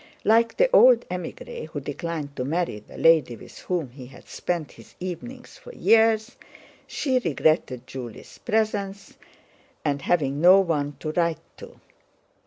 Like the old émigré who declined to marry the lady with whom he had spent his evenings for years, she regretted Julie's presence and having no one to write to.